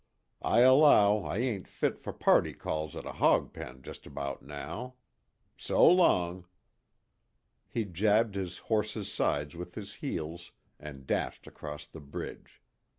I allow I ain't fit for party calls at a hog pen just about now. So long." He jabbed his horse's sides with his heels and dashed across the bridge.